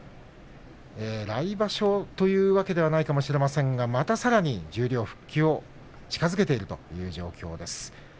来場所ということではないかもしれませんがまたさらに十両復帰を近づけていたという状況です。